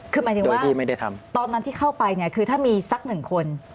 คือหมายถึงว่าตอนนั้นที่เข้าไปเนี่ยคือถ้ามีสักหนึ่งคน